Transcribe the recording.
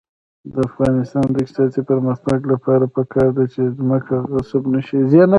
د افغانستان د اقتصادي پرمختګ لپاره پکار ده چې ځمکه غصب نشي.